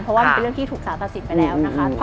เพราะว่ามันเป็นเรื่องที่ถูกสารตัดสินไปแล้วนะคะ